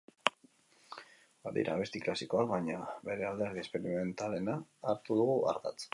Badira abesti klasikoak, baina bere alderdi esperimentalena hartu dugu ardatz.